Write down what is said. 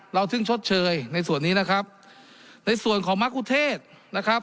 ถึงชดเชยในส่วนนี้นะครับในส่วนของมะกุเทศนะครับ